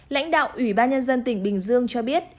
lãnh đạo ủy ban nhân dân tỉnh bình dương cho biết